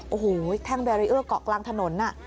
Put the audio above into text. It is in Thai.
โอ้โหแทงกูลแบรีเออร์เกาะกลางถนนน่ะ